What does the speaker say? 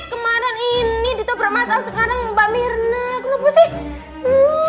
kemarin ini ditobrak masal sekarang mbak mirna kenapa sih